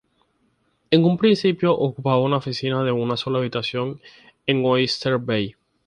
En un principio ocupaba una oficina de una sola habitación en Oyster Bay.